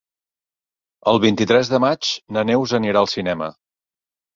El vint-i-tres de maig na Neus anirà al cinema.